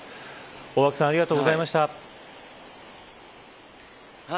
大和久さんありがとうございました。